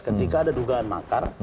ketika ada dugaan makar